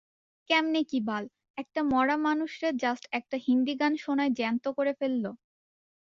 কেমনে কি বাল? একটা মরা মানুষরে জাস্ট একটা হিন্দী গান শোনায় জ্যান্ত করে ফেলল?